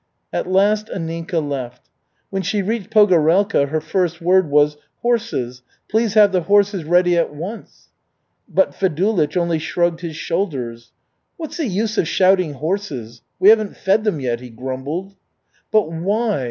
At last Anninka left. When she reached Pogorelka, her first word was, "Horses! Please have the horses ready at once!" But Fedulych only shrugged his shoulders. "What's the use of shouting horses? We haven't fed them yet," he grumbled. "But why?